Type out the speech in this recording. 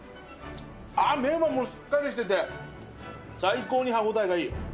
麺はしっかりしてて、最高に歯ごたえがいい。